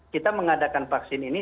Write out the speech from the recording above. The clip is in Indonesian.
kita mengadakan vaksin ini